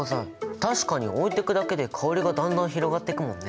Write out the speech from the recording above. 確かに置いとくだけで香りがだんだん広がってくもんね！